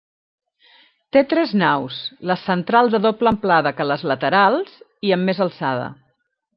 Té tres naus, la central de doble amplada que les laterals i amb més alçada.